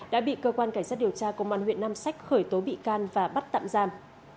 đã bị cơ quan cảnh sát điều tra công an huyện nam sách khởi tố bị can và bắt tạm giam